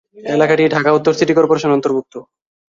এলাকাটি ঢাকা উত্তর সিটি কর্পোরেশনের অন্তর্ভুক্ত।